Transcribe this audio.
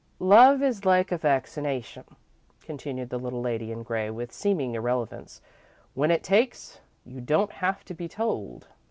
"Love is like a vaccination," continued the little lady in grey, with seeming irrelevance. "When it takes, you don't have to be told."